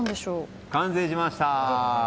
完成しました。